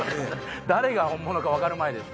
「誰が本物か分かるまい」です。